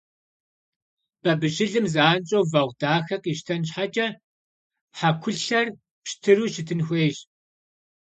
Бабыщылым занщӀэу вэгъу дахэ къищтэн щхьэкӀэ, хьэкулъэр пщтыру щытын хуейщ.